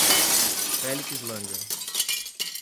Felixlândia